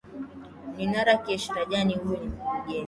ni narakesh rajani huyu ni mkurugenzi